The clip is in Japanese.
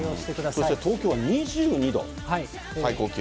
そして東京は２２度、最高気温。